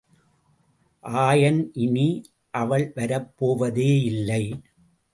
ஆயன் இனி அவள் வரப்போவதேயில்லை!